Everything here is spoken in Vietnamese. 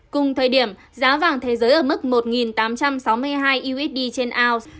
cùng thời điểm giá vàng thế giới ở mức một tám trăm sáu mươi hai usd trên ounce